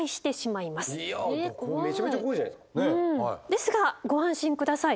ですがご安心下さい。